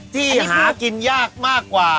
ที่หากินยากมากกว่า